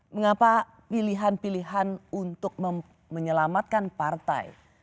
mengapa pilihan pilihan untuk menyelamatkan partai